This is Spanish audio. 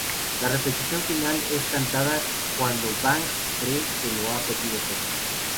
La repetición final es cantada cuando Banks cree que lo ha perdido todo.